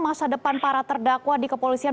masa depan para terdakwa di kepolisian